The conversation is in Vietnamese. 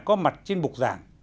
có mặt trên bục giảng